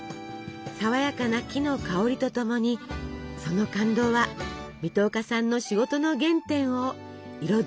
爽やかな木の香りとともにその感動は水戸岡さんの仕事の原点を彩り続けます。